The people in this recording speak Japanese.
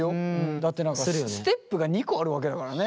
だってステップが２個あるわけだからね。